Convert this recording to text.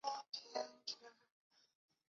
拿撒勒人耶稣是基督教的中心人物。